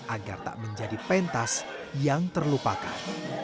agar tak menjadi pentas yang terlupakan